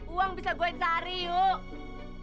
uang bisa gue cari yuk